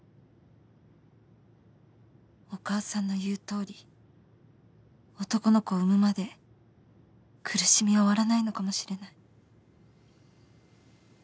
お母さんの言うとおり男の子を産むまで苦しみは終わらないのかもしれない